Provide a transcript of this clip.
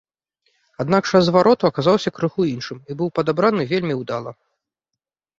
Аднак час звароту аказаўся крыху іншым і быў падабраны вельмі ўдала.